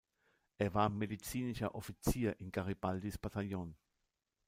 Er war medizinischer Offizier in Garibaldis Bataillon.